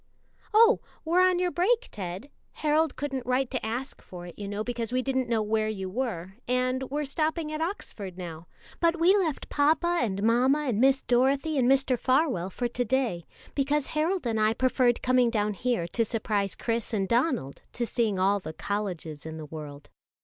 "Oh, we're on your break, Ted Harold couldn't write to ask for it, you know, because we didn't know where you were, and we're stopping at Oxford now; but we left papa and mamma and Miss Dorothy and Mr. Farwell for to day, because Harold and I preferred coming down here to surprise Chris and Donald to seeing all the colleges in the world."